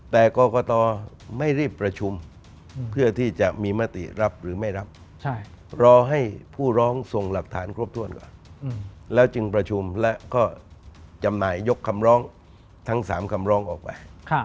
แต่กรกตไม่รีบประชุมเพื่อที่จะมีมติรับหรือไม่รับรอให้ผู้ร้องส่งหลักฐานครบถ้วนก่อนแล้วจึงประชุมและก็จำหน่ายกคำร้องทั้ง๓คำร้องออกไป